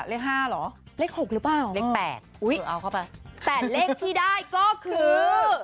เลขห้าเหรอเลข๖หรือเปล่าเลข๘อุ้ยเอาเข้าไปแต่เลขที่ได้ก็คือ